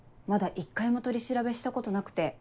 一回も取り調べしたことなくて。